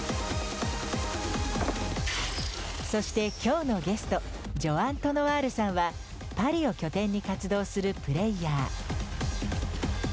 そして今日のゲストジョアン・トノワールさんはパリを拠点に活動するプレイヤー。